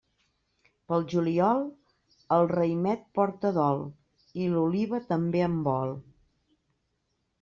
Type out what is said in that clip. Pel juliol, el raïmet porta dol i l'oliva també en vol.